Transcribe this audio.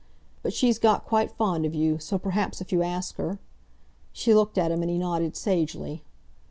But she's got quite fond of you, so perhaps if you ask her—?" She looked at him, and he nodded sagely.